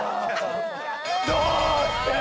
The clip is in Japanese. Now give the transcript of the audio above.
どうして！